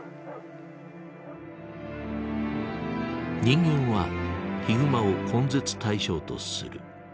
人間はヒグマを根絶対象とする。